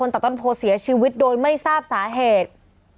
ตัดต้นโพเสียชีวิตโดยไม่ทราบสาเหตุ